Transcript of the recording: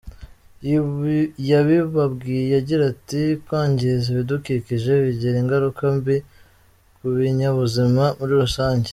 Yabibabwiye agira ati : "Kwangiza ibidukikije bigira ingaruka mbi ku binyabuzima muri rusange.